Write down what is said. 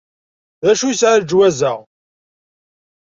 D acu yesɛa leǧwaz-a?